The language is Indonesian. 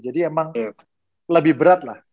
jadi emang lebih berat lah